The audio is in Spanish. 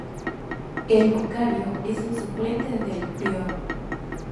El vicario es el suplente del prior.